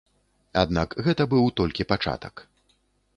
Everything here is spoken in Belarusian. Аднак гэта быў толькі пачатак.